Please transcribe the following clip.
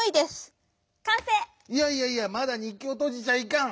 いやいやいやまだにっきをとじちゃいかん！